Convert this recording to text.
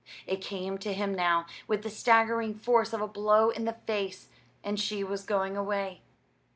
It came to him now with the staggering force of a blow in the face and she was going away.